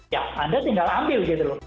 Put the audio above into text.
ya anda tinggal ambil gitu loh